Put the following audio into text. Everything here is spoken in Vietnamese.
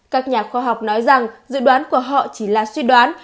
các nhà khoa học nói rằng dự đoán của họ chỉ là suy đoán